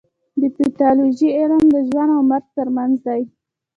د پیتالوژي علم د ژوند او مرګ ترمنځ دی.